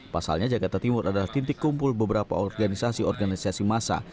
pasalnya jakarta timur adalah titik kumpul beberapa organisasi organisasi massa